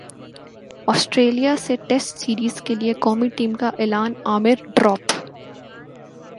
سٹریلیا سے test series کیلئے قومی ٹیم کا اعلان عامر ڈراپ